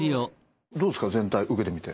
どうですか全体受けてみて。